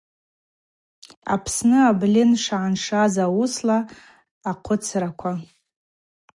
Апсны абльын шгӏаншаз ауысла ахъвыцраква.